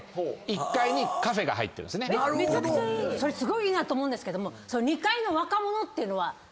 それすごいいいなと思うんですけども。